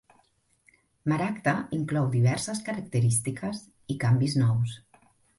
"Maragda" inclou diverses característiques i canvis nous.